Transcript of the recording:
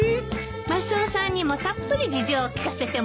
マスオさんにもたっぷり事情を聴かせてもらうわね。